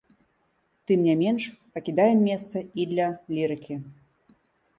Тым не менш, пакідаем месца і для лірыкі.